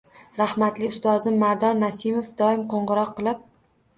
Rahmatli ustozim Mardon Nasimov doim qo’ng’iroq qilib